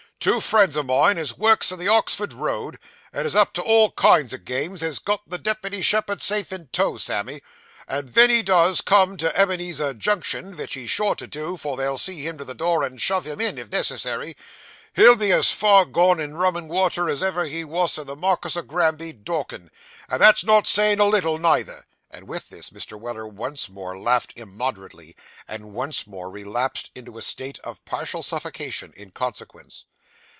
'Two friends o' mine, as works the Oxford Road, and is up to all kinds o' games, has got the deputy shepherd safe in tow, Sammy; and ven he does come to the Ebenezer Junction (vich he's sure to do: for they'll see him to the door, and shove him in, if necessary), he'll be as far gone in rum and water, as ever he wos at the Markis o' Granby, Dorkin', and that's not sayin' a little neither.' And with this, Mr. Weller once more laughed immoderately, and once more relapsed into a state of partial suffocation, in consequence.